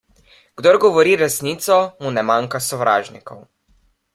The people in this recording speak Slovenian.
Kdor govori resnico, mu ne manjka sovražnikov.